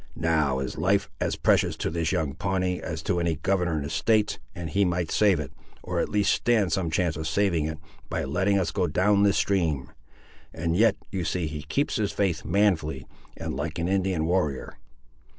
Now is life as precious to this young Pawnee, as to any governor in the States, and he might save it, or at least stand some chance of saving it, by letting us go down the stream; and yet you see he keeps his faith manfully, and like an Indian warrior.